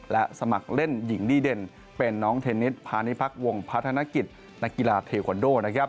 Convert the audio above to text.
และสมัครเล่นหญิงดีเด่นเป็นน้องเทนนิสพาณิพักษ์วงพัฒนกิจนักกีฬาเทควันโด